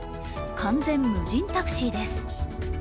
完全無人タクシーです。